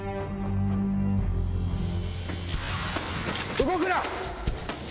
動くな！